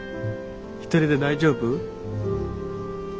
一人で大丈夫？